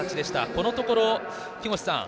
このところ、木越さん